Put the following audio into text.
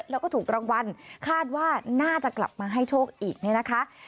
แล้วก็ถูกรางวัลคาดว่าน่าจะกลับมาให้โชคอีกเนี่ยนะคะ